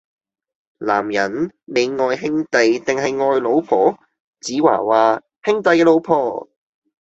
男人，你愛兄弟定系愛老婆?子華話：兄弟嘅老婆!